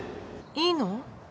いいの？